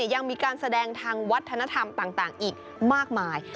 ยังมีการแสดงทางวัฒนธรรมต่างอีกมากมาย